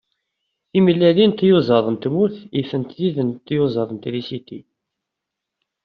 Timellalin n tyuẓaḍ n tmurt ifent tid n tyuẓaḍ n trisiti.